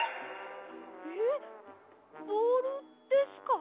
えボールですか？